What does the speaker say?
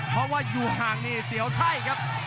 เพราะว่าอยู่ห่างนี่เสียวไส้ครับ